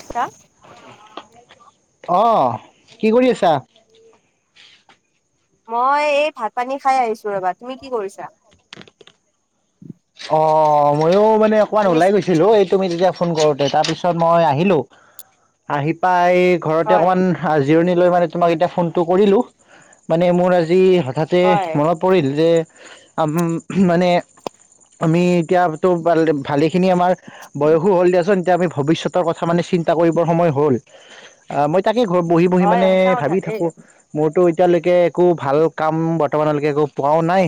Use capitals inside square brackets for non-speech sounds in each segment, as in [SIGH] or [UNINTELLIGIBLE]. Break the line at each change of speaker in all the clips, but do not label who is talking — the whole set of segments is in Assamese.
[UNINTELLIGIBLE]
অ, কৰি আছা?
মই এই ভাত পানী খাই আহিছো ৰবা। তুমি কি কৰিছা?
অ মইয়ো মানে অকমান
শুনিছ
ওলাই গৈছ দিলো, এই তুমি তেতিয়া ফোন কৰোতে, তাৰপিছত মই আহিলো, আহি পাই ঘৰতে
হয়
অকণমান জিৰণি লৈ মানে তোমাক এতিয়া ফোনটো কৰিলো, মানে মোৰ আজি হঠাৎ যে,
হয়
মনত পৰিল যে, মানে আমি এতিয়াটো ভাল ভালেখিনি আমাৰ বয়সো হ'ল দিয়াচোন, এতিয়া আমি ভৱিষ্যতৰ কথা মানে চিন্তা কৰিবৰ সময় হ'ল। অঁ মই তাকে ঘৰত বহি বহি
হয়
মানে
সঁচা কথা
ভাবি
দেই
থাকো। মোৰতো এতিয়ালৈকে একো ভাল কাম বৰ্তমানলৈকে একো পোৱাও নাই,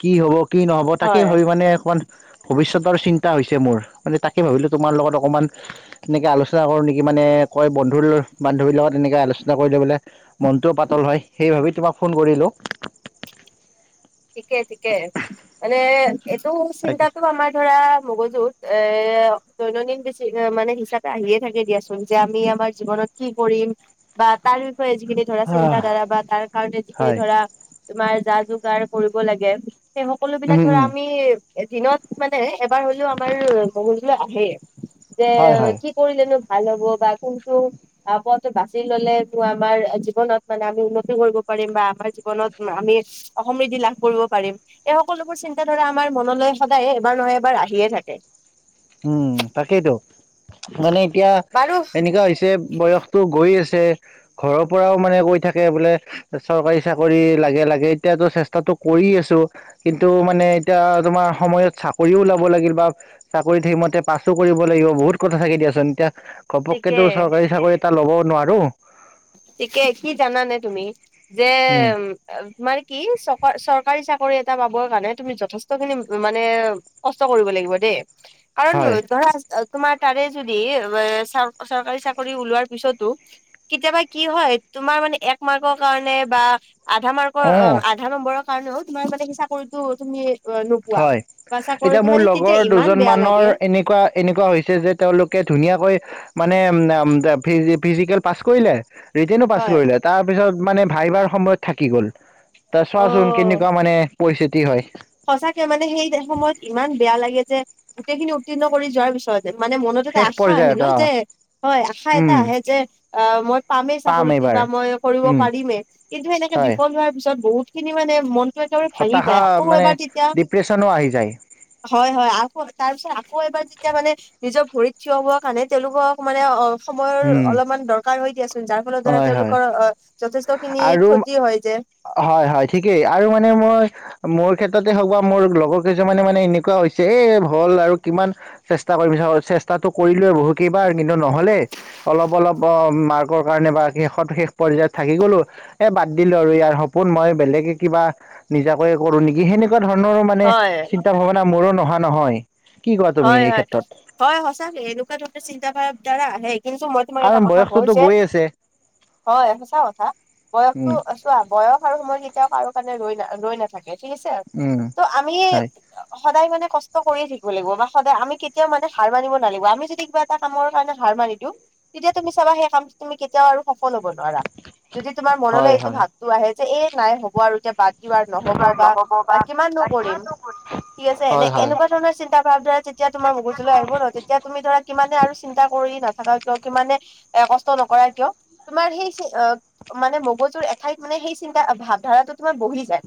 কি হ'ব। কি নহ'ব তাকেই হয়। মানে অকণমান ভৱিষ্যতৰ চিন্তা হৈছে মোৰ মানে তাকে ভাবিলে তোমাৰ লগত অকণমান। তেনেকে আলোচনা কৰোঁ নেকি মানে, কয় বন্ধুল-বান্ধৱীৰ লগত এনেকৈ আলোচনা কৰিলে বোলে মনটোও পাতল হয়, সেই ভাবি তোমাক ফোন কৰিলোঁ।
ঠিকে ঠিকে, মানে এইটো
তাকে
চিন্তাটো আমাৰ ধৰা মগজুত, এ দৈনন্দিন বেছি মানে হিচাপে আহিয়ে থাকে দিয়াচোন। যে আমি আমাৰ জীৱনত কি কৰিম বা তাৰ বিষয়ে যিখিনি। ধৰা চিন্তা ধাৰা বা তাৰ কাৰণে
হয়
যিখিনি
হয়
ধৰা তোমাৰ যা যোগাৰ কৰিব লাগে সেই-
উম
সকলোবিলাক
উম
ধৰা আমি দিনত মানে এবাৰ হলেও আমাৰ মগজুলৈ আহেই। যে
হয় হয়
কি কৰিলেনো ভাল হ'ব বা কোনটো। আহ পথটো বাচি ললে আমাৰ জীৱনত মানে আমি উন্নতি কৰিব পাৰিম বা আমাৰ জীৱনত। উম আমি। সমৃদ্ধি লাভ কৰিব পাৰিম, এই সকলোবোৰ চিন্তাধাৰা আমাৰ মনলৈ সদায়ে এবাৰ নহয় এবাৰ আহিয়ে থাকে।
উম তাকেইতো মানে এতিয়া
বাৰু
এনেকুৱা হৈছে। বয়সটো গৈ আছে ঘৰৰ পৰাও মানে গৈ থাকে বোলে। চৰকাৰী চাকৰি লাগে লাগে এতিয়াতো চেষ্টাতটো কৰি আছো। কিন্তু মানে এতিয়া তোমাৰ সময়ত চাকৰিও ওলাব লাগিল বা। চাকৰি থাকি মতে পাছো কৰিব লাগিব বহুত কথা থাকে দিয়াচোন এতিয়া
ঠিকে
ঘপককেতো চৰকাৰী চাকৰিত। এটা ল'ব নোৱাৰো।
ঠিকেই কি জানানে তুমি যে-
উম
তোমাৰ কি চ চৰকাৰী চাকৰি এটা পাবৰ কাৰণে তুমি যথেষ্ট খিনি মানে- কষ্ট কৰিব লাগিব দেই, কাৰণ
হয়
ধৰা- তোমাৰ তাৰে যদি চৰকাৰী চাকৰি ওলোৱাৰ পিছতো কেতিয়াবা- কি হয় তোমাৰ মানে এক মাৰ্কৰ কাৰণে বা আধা
অ
মাৰ্কৰ- আধা নম্বৰৰ কাৰণেও তোমাৰ মানে কি চাকৰিটো তুমি- অ নোপোৱা
হয়
বা
এতিয়া
চাকৰিটো
মোৰ
মানে তেতিয়া
লগৰ
ইমান
দুজন
বেয়া
মানৰ
লাগে
এনেকুৱা- এনেকুৱা হৈছে যে তেওঁলোকে ধুনীয়াকৈ- মানে উ ফিজিকেল পাছ কৰিলে। ৰিটেনো পাছ
হয়
কৰিলে তাৰ পিছত মানে ভাইভাৰ সময়ত থাকি গল। ত
অ
চোৱাচোন কেনেকুৱা মানে পৰিস্থিতি হয়।
সঁচাকে মানে সেই সময়ত ইমান বেয়া লাগে যে গোটেইখিনি উত্তিৰ্ণ কৰি যোৱাৰ পিছত। মানে মনত এটা
শেষ
আশা আহে
পৰ্যায়ত
ন
অ
যে হয় আশা এটা
উম
আহে যে। আহ মই পামেই
পাম
চাকৰিতটো
এইবাৰ
বা মই কৰিব
উম
পাৰিমেই কিন্তু এনেকে
হয়
বিফল হোৱাৰ পিছত বহুত। খিনি মানে মনতটো একেবাৰে ভাঙি
হতাশা
যায়। আকৌ
মানে
এবাৰ তেতিয়া
ডিপ্ৰেচনো আহি যায়।
হয় হয় আকৌ তাৰ পিছত আকৌ এবাৰ যেতিয়া মানে নিজৰ ভৰিত থিয় হোৱা কাৰণে তেওঁলোকক। মানে অ সময়ৰ
উম
অলপমান দৰকাৰ হৈ দিয়াচোন যাৰ ফলত ধৰা
হয় হয়
তেওঁলোকৰ অঁ। যথেষ্ট খিনি
আৰু
ক্ষতি হয় যে।
হয় হয় ঠিকেই আৰু মানে মই মোৰ ক্ষেত্ৰতে হওক বা মোৰ লগৰ কেইজনৰমানে মানে এনেকুৱা হৈছে এ হল আৰু কিমান - চেষ্টা কৰি চেষ্টাটো কৰিলোৱে বহুত কেইবাৰ কিন্তু নহলে- অলপ অলপ অ মাৰ্কৰ কাৰণে বা শেষত শেষ পৰ্যায়ত- থাকি গ'লো এ বাদ দিলো আৰু ইয়াৰ সপোন মই বেলেগে কিবা- নিজাকৈ কৰো নেকি সেনেকুৱা ধৰণৰো মানে
হয়
চিন্তা ভাৱনা মোৰো নহা নহয়। কি কোৱা তুমি
হয়
এই
হয়
ক্ষেত্ৰত
হয় সঁচাকে এনেকুৱা ধৰণৰ চিন্তা ধাৰা বিলাক আহে, কিন্তু মই- মানে মই এটা
কাৰণ
কথা কওঁ
বয়সটোতো
যে,
গৈ আছে
হয় সচা কথা
উম
বয়সটো- টো বয়স আৰু সময় কেতিয়াও কাৰো কাৰণে ৰৈ না ৰৈ নাথাকে ঠিক আছে।
উম
ত' আমি-
হয়
সদায় মানে কষ্ট কৰিয়ে থাকিব লাগিব, বা- সদায় আমি কেতিয়াও মানে হাৰ মানিব নালাগিব আমি যদি কিবা এটা কামৰ কাৰণে হাৰ মানি দিওঁ তেতিয়া তুমি চাবা সেই কামটো তুমি কেতিয়াও আৰু সফল হব নোৱাৰা। যদি তোমাৰ মনলৈ
হয়
এইটো
হয়
ভাৱটো আহে যে এই নাই হ'ব আৰু বাকী বাৰ নহ'ব বা কিমাননো কৰিম ঠিক আছে এনে
হয় হয়
এনেকুৱা ধৰণৰ চিন্তা ভাৱ ধাৰ যেতিয়া তোমাৰ মুগজলৈ আহিব ন, তেতিয়া তুমি ধৰা কিমানে আৰু চিন্তা কৰি নাথাকা কিয় কিমানে- এ কষ্ট নকৰা কিয়? তোমাৰ সেই মানে মগজুৰ এঠাইত মানে সেই চিন্তা ভাৱধাৰাটো তোমাৰ বহি যায়।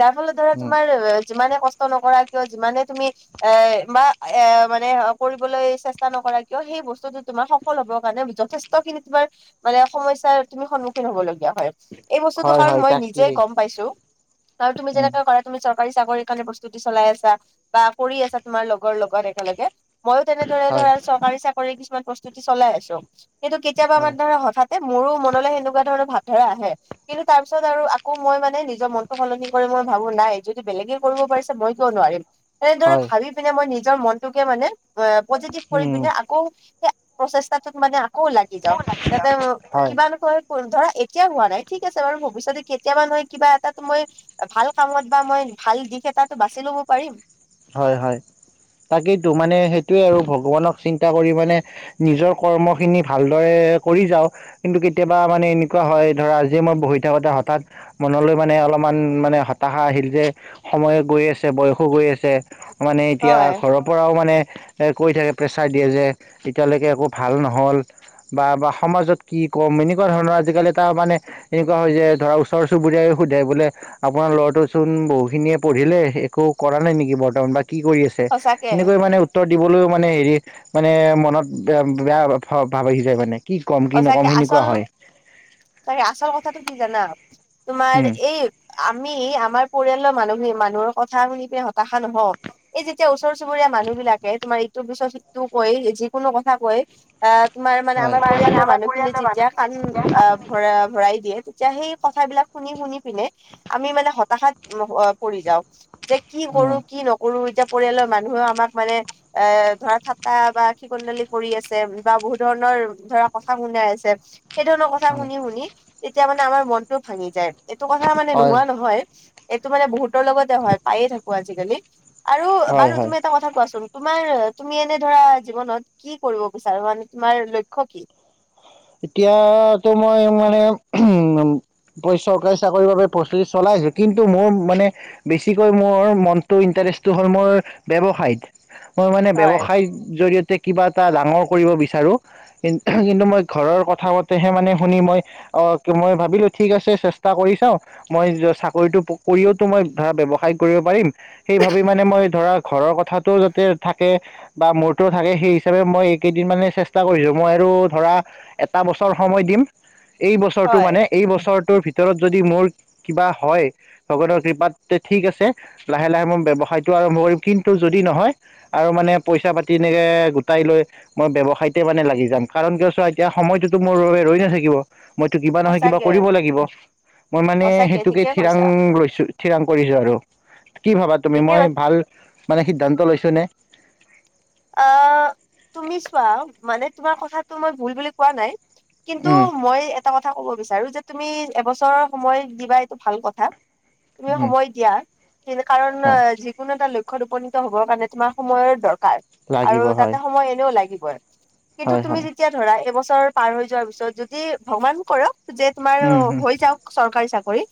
যাৰ ফলত ধৰা
উম
তোমাৰ যিমানে কষ্ট নকৰা কিয় যিমানে তুমি এ বা- এ মানে কৰিবলৈ চেষ্টা নকৰা কিয় সেই বস্তুটো তোমাৰ সফল হব কাৰণে যথেষ্ট খিনি তোমাৰ মানে সমস্যাৰ তুমি সন্মুখীন হ'ব লগীয়া হয় এই বস্তুটো
হয়
কাৰণ
হয়
মই নিজে
তাকেই
গম পাইছো আৰু তুমি
উম
যেনেকে কৰা তুমি চৰকাৰী চাকৰি কাৰণে প্ৰস্তুতি চলাই আছা বা কৰি আছা তোমাৰ লগৰ লগত একেলগে ময়ো তেনেদৰে
হয়
ধৰা চৰকাৰী চাকৰি কিছুমান প্ৰস্তুতি চলাই আছো কিন্তু কেতিয়াবা আমাৰ
হয়
ধৰা হঠাৎ এ মোৰো মনলে সেনেকুৱা ধৰণৰ ভাৱধাৰা আহে। কিন্তু তাৰ পিছত আৰু আকৌ মই মানে নিজৰ মনটো সলনি কৰি মই ভাবো নাই যদি বেলেগে কৰিব পাৰিছে মই কিয় নোৱাৰিম এনেদৰে
হয়
ভাবি পিনে মই নিজৰ মনটোকে মানে মই পজিটিভ কৰি
উম
পিনে আগ আকৌ সেই প্ৰচেষ্টাটোত মানে আকৌ লাগি যাও যাতে
হয়
কিবা নহয় ধৰা এতিয়া হোৱা নাই ঠিক আছে বাৰু ভৱিষ্যতে কেতিয়াবা নহয় কিবা এটাটো মই ভাল কামত বা মই ভাল দিশ এটাটো বাচি লব পাৰিম।
হয় হয় তাকেইতো মানে সেইটোৱে আৰু ভগৱানক চিন্তা কৰি মানে নিজৰ কৰ্ম খিনি ভালদৰে কৰি যাওঁ কিন্তু কেতিয়াবা মানে এনেকুৱা হয় ধৰা আজিয়ে মই বহি থাকোতে হঠাৎ মনলৈ মানে অলপমান মানে হতাশা আহিল যে সময়ে গৈ আছে বয়সো গৈ আ ছে মানে এতিয়া
হয়
ঘৰত পৰাও মানে কৈ থাকে প্ৰেছাৰ দিয়ে যে এতিয়ালৈকে একো ভাল নহ'ল বা বা সমাজত কি ক'ম এনেকুৱা ধৰণৰ আজিকালি তাৰ মানে এনেকুৱা হয় যে ধৰা ওচৰ চুবুৰীয়াই সুধাই বোলে আপোনাৰ ল'ৰাটো চোন বহু খিনিয়ে পঢ়িলে একো কৰা নাই নেক কি বৰ্তমান বা কি কৰি আছে
সঁচাকে
এনেকৈ মানে উত্তৰ দিবলৈও মানে হেৰি মানে মনত বেয়া ভাৱ আহি যায় মানে কি ক'ম কি নক'ম সেনেকুৱা হয়।
তাকে আচল কথাটো কি জানা তোমাৰ
উম।
এই আমি আমাৰ পৰিয়ালৰ মানুহখিনি মানুহৰ কথা শুনি পিনে হতাশা নহও। এই যেতিয়া ওচৰ চুবুৰীয়া মানুহ বিলাকে তোমাৰ ইটো পিছত সিটো কৈ যিকোনো কথা কয়। আহ তোমাৰ মানে
হয়।
আমাৰ পৰিয়ালৰ
আমাৰ
মানুহখিনি
পৰিয়ালৰ
যেতিয়া
মানুহখিনি
কান আ
যেতিয়া
ভৰা ভৰাই দিয়ে এতিয়া সেই কথাবিলাক শুনি শুনি পিনে আমি মানে হতাশাত পৰি যাওঁ। যে কি কৰো
উম
কি নকৰো এতিয়া পৰিয়ালৰ মানুহেও আমাক মানে- এ ধৰা থাট্টা বা কি কনডালি কৰি আছে বা বহুত ধৰণৰ- ধৰা কথা শুনাই আছে সেই ধৰণৰ কথা
হয়
শুনি শুনি তেতিয়া মানে আমাৰ মনটো ভাঙি যায়। এইটো কথা মানে নোহোৱা
হয়।
নহয়, এইটো মানে বহুতৰ লগতে হয় পায়ে থাকো আজিকালি। আৰু
হয়
বাৰু
হয়।
তুমি এটা ক থা কোৱাচোন তোমাৰ তুমি এনে ধৰা জীৱনত কি কৰিব বিচাৰ মানে তোমাৰ লক্ষ্য কি?
এতিয়াতো মই মানে উম। চৰকাৰী চাকৰিৰ বাবে প্ৰস্তুতি চলাইছো কিন্তু মোৰ মানে- বেছিকৈ মোৰ মনটো ইণ্টাৰেষ্টটো হ'ল মোৰ ব্যয়ৱসায়ত। মই মানে
হয়
ব্যৱসায় জৰিয়তে কিবা এটা ডাঙৰ কৰিব বিচাৰো কিন্তু মই- ঘৰৰ কথা মতেহে মানে শুনি মই অ মই ভাবিলো ঠিক আছে চেষ্টা কৰি চাওঁ। মই চাকৰিতটো কৰিওতো মই ধৰা ব্যৱসায় কৰিব পাৰিম- সেই ভাবি মানে মই ধৰা ঘৰৰ কথাটোও যাতে থাকে- বা মোৰটো থাকে সেই হিচাপে মই এইকেইদিন মানে চেষ্টা কৰিছো মই আৰু ধৰা- এটা বছৰ সময় দিম, এই বছৰটো
হয়
মানে- এই বছৰটোৰ ভিতৰত যদি মোৰ কিবা হয়। ভগৱানৰ কৃপাত ঠিক আছে লাহে লাহে মই ব্যৱসায়টো আৰম্ভ কৰিম কিন্তু যদি নহয় আৰু মানে পইচা পাতি এনেকে গোটাই লৈ মই ব্যৱসায়তে মানে লাগি যাম, কাৰণ কিয় চোৱা এতিয়া সময়টোতো মোৰ বাবে ৰৈ নাথাকিব মইতো কিবা নহয় কিবা
সঁচাকে
কৰিব লাগিব। মই মানে
সঁচাকে
সেইটোকে
ঠিকে কৈছা
ঠিৰাং লৈছো ঠিৰাং কৰিছো আৰু। কি ভাবা তুমি
ঠিকে
মই
কৈছা
ভাল মানে সিদ্ধান্ত লৈছো নে?
অ তুমি চোৱা মানে তোমাৰ কথাটো মই ভুল বুলি কোৱা নাই। কিন্তু
উম
মই এটা কথা কব বিচাৰো যে তুমি এবছৰৰ সময় দিবা এইটো ভাল কথা। তুমি
উম
সময় দিয়া কাৰণ
হয়
যিকোনো এটা ল- ক্ষ্যত উপনীত হবৰ কাৰণে তোমাৰ সময়ৰ দৰকাৰ আৰু
লাগিব হয়
তাতে সময় এনেও লাগিবই। কিন্তু
হয়
তুমি
হয়
যেতিয়া ধৰা এবছৰ পাৰ হৈ যোৱাৰ পিছত যদি ভগৱান কৰক যে- তোমাৰ
উম উম
হৈ যাওক চৰকাৰী চাকৰি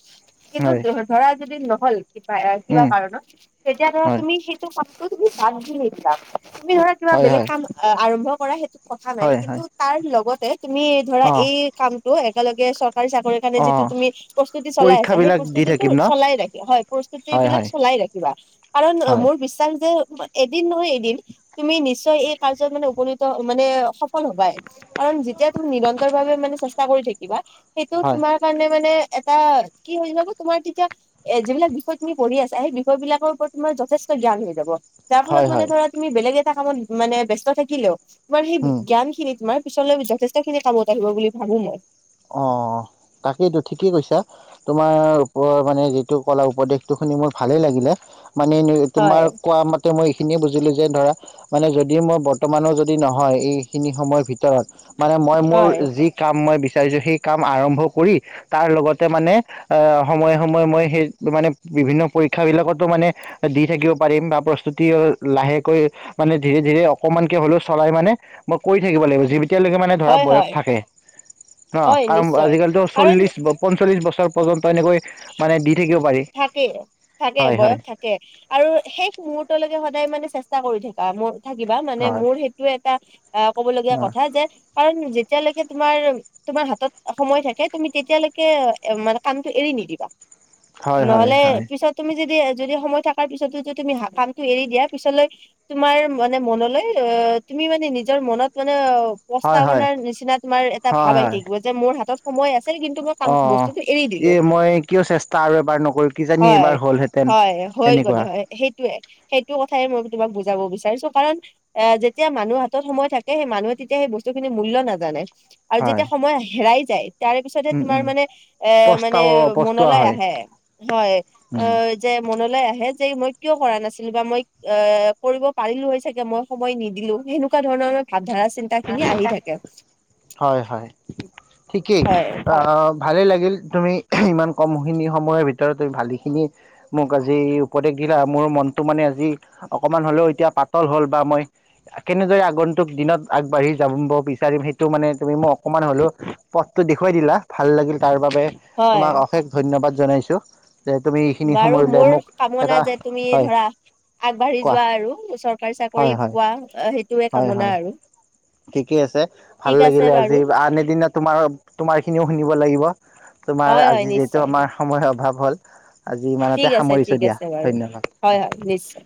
কিন্তু
হয়
ধৰা যদি নহ'ল- কা কিবা
উম
কাৰণত তেতিয়া ধৰা
হয়
তুমি সেইটো কস্তু তুমি বাধি নিছিলা তুমি ধৰা- কিবা
হয়
বেলেগ
হয়
কাম আৰম্ভ কৰা সেইটো কথা নাই
হয়
কিন্তু
হয়
তাৰ লগতে তুমি ধৰা
অ
এই- কামটো একেলগে চৰকাৰী চাকৰিৰ কাৰণে
অ
যিটো তুমি- প্ৰস্তুতি চলাই আছা সেই
পৰীক্ষাবিলাক দি
প্ৰস্তুতিটো
থাকিম ন
চলাই ৰাখিবা হয় প্ৰস্তুতি
হয়
বিলাক
হয়
চলাই ৰাখিবা। কাৰণ
হয়
মোৰ বিশ্বাস যে এদিন নহয় এদিন- তুমি নিশ্চয় এই কাৰ্যত মানে উপনীত মানে সফল হবাই। কাৰণ যেতিয়া তুমি নিৰন্তৰ ভাৱে মানে চেষ্টা কৰি থাকিবা সেইটো
হয়
তোমাৰ- কাৰণে মানে এটা কি হৈ যাব তোমাৰ তেতিয়া- এ যিবিলাক বিষয় তুমি পঢ়ি আছা সেই বিষয় বিলাকৰ ওপৰত তোমাৰ যথেষ্ট জ্ঞান হৈ যাব। যাৰ
হয়
ফলত মানে
হয়
ধৰা তুমি বেলেগ এটা কামত মানে ব্যস্ত থাকিলেও তোমাৰ সেই
উম
জ্ঞান খিনি তোমাৰ- পিছলৈ যথেষ্টখিনি কামত আহিব বুলি ভাবো মই।
অ তাকেইতো ঠিকেই কৈছা। তোমাৰ ওপৰত মানে যিটো কলা উপদেশটো শুনি মোৰ ভালেই লাগিলে মানে তোমাৰ
হয়
কোৱা মতে মই এইখিনিয়ে বুজিলো যে ধৰা মানে যদি মই বৰ্তমানো যদি নহয় এইখিনি সময়ৰ ভিতৰত মানে মই মোৰ
হয়
যি কাম মই বিচাৰিছোঁ সেই কাম আৰম্ভ কৰি তাৰ লগতে মানে আ সময়ে সময়ে মই সেই মানে বিভিন্ন পৰীক্ষা বিলাকতো মানে দি থাকিব পাৰিম বা প্ৰস্তুতি লাহেকৈ- মানে ধীৰে ধীৰে অকমানকে হ'লেও চলাই মানে মই কৰি থাকিব লাগিব যেতিয়ালৈকে মানে ধৰা
হয়
বয়স
হয়
থাকে। ন
হয়
কাৰণ
নিশ্চয়
আজিকালিতো
কাৰণ
চল্লিশ পঞ্চল্লিশ বছৰ পৰ্যন্ত এনেকৈ মানে দি থাকিব পাৰি।
থাকে থাকে
হয়
বয়স
হয়
থা কে আৰু শেষ মহৰ্তলৈকে সদায় মানে চেষ্টা কৰি থাকা ম থাকিবা মানে
হয়
মোৰ টো এটা আহ ক'ব লগীয়া কথা যে কাৰণ যেতিয়ালৈকে তোমাৰ তোমাৰ হাতত সময় থাকে তুমি তেতিয়ালৈকে মানে কামটো এৰি নিদিবা।
হয় হয়
নহলে
হয়
পিছত তুমি যদি যদি সময় থকাৰ পিছতো যদি তুমি কামটো এৰি দিয়া পিছলৈ তোমাৰ মানে মনলৈ আহ তুমি মানে নিজৰ মনত মানে অ
হয় হয়
প্ৰস্তাৱনাৰ নিচিনা তোমাৰ এটা
হয়
ভাৱ আহি
হয়
থাকিব যে মোৰ হাতত সময় আছিল কিন্তু মই
অ
কাম বস্তুটো এৰি
এই
দিলো।
মই কিয় চেষ্টা আৰু এবাৰ নকৰি
হয় হয় হৈ গ'ল হয়। সেইটোয়ে সেইটো কথাই মই তোমাক বুজাব বিচাৰিছো কাৰণ এ যেতিয়া মানুহৰ হাতত সময় থাকে সেই মানুহে তেতিয়া সেই বস্তুখিনি মূল্য নাজানে। আৰু
হয়
যেতিয়া সময় হেৰাই যায় তাৰে পিছতহে
উম
তোমাৰ
উম
মানে এ মানে
পস্তাৱ পস্তোৱা
মনলৈ
হয়
আহে। হয় অ
উম
যে মনলৈ আহে যে মই কিয় কৰা নাছিলো বা মই এ কৰিব পাৰিলো হয় চাগে মই, সময় নিদিলো সেনেকুৱা ধৰণৰ ভাৱধাৰা চি
হয় হয় ঠিকেই
হয়,
অ ভালেই লাগিল তুমি ইমান কমখিনি সময়ৰ ভিতৰত তুমি ভালেখিনি- মোক আজি উপদেশ দিলা মোৰ মনটো মানে আজি অকমান হ'লেও এতিয়া পাতল হ'ল বা মই। কেনেদৰে আগন্তুক দিনত। আগবাঢ়ি যাম ব বিচাৰিম সেইটো মানে তুমি মোক অকণমান হ'লেও পথটো দেখুৱাই দিলা ভাল লাগিল তাৰ বাবে।
হয়।
তোমাক অশেষ ধন্যবাদ জনাইছো যে তুমি এইখিনি
বাৰু
সময় উলিয়াই
মোৰ
মোক
কামনা
এটা
যে তুমি
হয়
ধৰা আগবাঢ়ি
কোৱা
যোৱা আৰু চৰকাৰী চাকৰি
হয় হয়
পোৱা সেইটোয়ে কামনা আৰু।
ঠিকে আছে ভাল
ঠিক আছে
লাগিলে
বাৰু
আজি আনদিনা তোমাৰ তোমাৰ খিনি শুনিব লাগিব। তোমাৰ
হয় হয়
আজি যিহেতু
নিশ্চয়
আমাৰ সময় অভাৱ হ'ল, আজি
ঠিক
ইমানতে
আছে
সামৰিছো
ঠিক
দিয়া
আছে বাৰু
ধন্যবাদ।
হয় হয় নিশ্চয়।